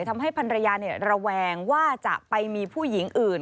ทำให้พันรยาระแวงว่าจะไปมีผู้หญิงอื่น